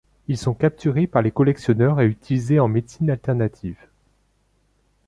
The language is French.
Ils sont capturés par les collectionneurs et utilisés en médecine alternative.